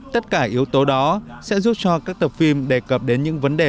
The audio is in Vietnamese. tất cả yếu tố đó sẽ giúp cho các tập phim đề cập đến những vấn đề